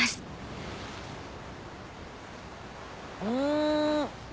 うん！